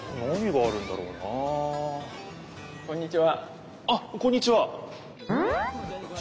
あっこんにちは。